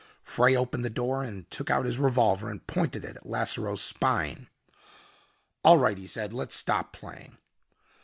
Frey opened the door and took out his revolver and pointed it at Lasseroe's spine. "All right," he said, "Let's stop playing."